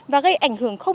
và gây ảnh hưởng khó khăn